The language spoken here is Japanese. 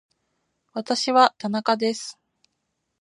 私は田中です